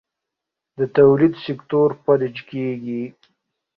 د تولید سکتور فلج کېږي.